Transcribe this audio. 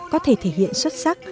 có thể thể hiện xuất sắc